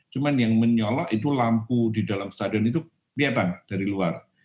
cuma yang menyolok itu lampu di dalam stadion itu kelihatan dari luar